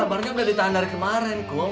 sabarnya udah ditahan dari kemarin kum